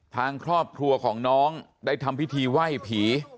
ทางครอบครัวของน้องได้ทำพิธีไหว้ผี